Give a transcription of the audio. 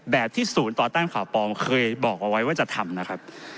ที่ศูนย์ต่อต้านข่าวปลอมเคยบอกเอาไว้ว่าจะทำนะครับ